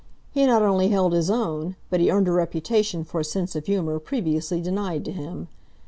He not only held his own, but he earned a reputation for a sense of humour previously denied to him.